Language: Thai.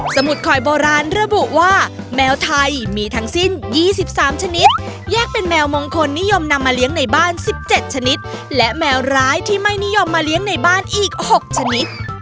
สมุดคอยโบราณระบุว่าแมวไทยมีทั้งสิ้น๒๓ชนิดแยกเป็นแมวมงคลนิยมนำมาเลี้ยงในบ้าน๑๗ชนิดและแมวร้ายที่ไม่นิยมมาเลี้ยงในบ้านอีก๖ชนิด